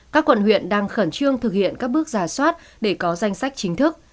các quận huyện đang khẩn trương thực hiện các bước giả soát để có danh sách chính thức